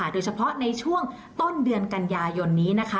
โดยเฉพาะในช่วงต้นเดือนกันยายนนี้นะคะ